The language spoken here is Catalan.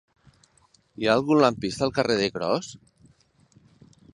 Hi ha algun lampista al carrer de Cros?